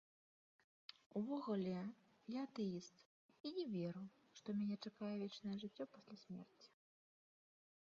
Увогуле, я атэіст і не веру, што мяне чакае вечнае жыццё пасля смерці.